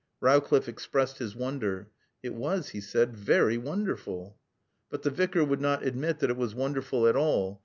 Rowcliffe expressed his wonder. It was, he said, very wonderful. But the Vicar would not admit that it was wonderful at all.